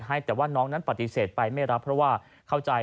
ให้แต่ว่าน้องนั้นปฏิเสธไปไม่รับเพราะว่าเข้าใจ